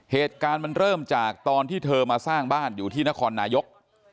เหตุการณ์มันเริ่มจากตอนที่เธอมาสร้างบ้านอยู่ที่นครนายก